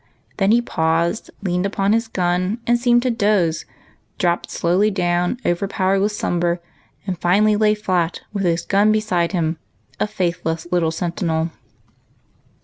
Then he paused, leaned upon his gun, and seemed to 160 EIGHT COUSINS. doze ; dropped slowly down, ovei'iDOwered with slum ber, and finally lay flat, with his gun beside him, a faithless little sentinel.